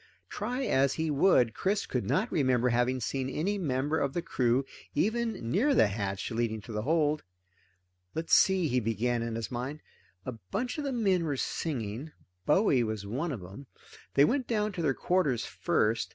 Try as he would, Chris could not remember having seen any member of the crew even near the hatch leading to the hold. Let's see, he began in his mind, a bunch of the men were singing Bowie was one of 'em. They went down to their quarters first.